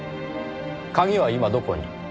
鍵は今どこに？